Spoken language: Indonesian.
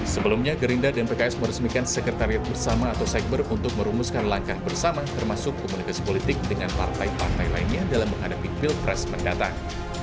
sebelumnya gerinda dan pks meresmikan sekretariat bersama atau sekber untuk merumuskan langkah bersama termasuk komunikasi politik dengan partai partai lainnya dalam menghadapi pilpres mendatang